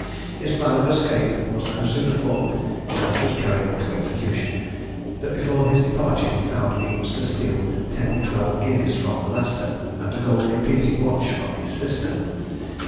His plan of escape was no sooner formed than it was carried into execution; but before his departure he found means to steal ten or twelve guineas from the master, and a gold repeating watch from his sister.